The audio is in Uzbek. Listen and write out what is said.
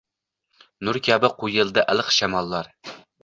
Nur kabi qo’yildi iliq shamollar